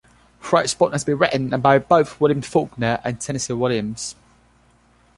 Friars Point has been written about by both William Faulkner and Tennessee Williams.